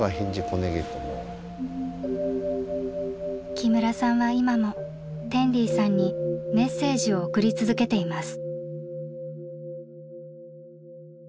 木村さんは今もテンディさんにメッセージを送り続けています。